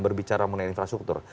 berbicara mengenai infrastruktur